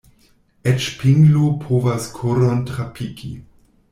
Eĉ pinglo povas koron trapiki.